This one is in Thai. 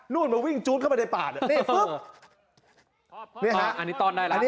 ลวดมันวิ่งจู๊ดเข้าไปในปากเนี้ยฟึกเนี้ยฮะอะนี้ตอนได้หรอ